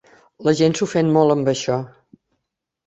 La gent s'ofèn molt amb això.